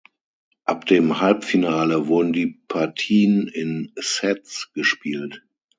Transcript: Ab dem Halbfinale wurden die Partien in "Sets" gespielt.